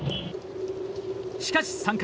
しかし３回。